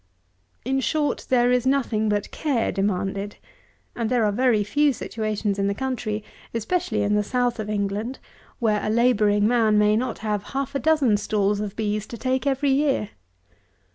In short, there is nothing but care demanded; and there are very few situations in the country, especially in the south of England, where a labouring man may not have half a dozen stalls of bees to take every year.